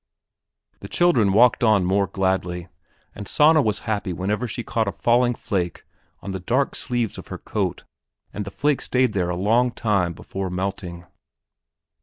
The children walked on more gladly and Sanna was happy whenever she caught a falling flake on the dark sleeves of her coat and the flake stayed there a long time before melting.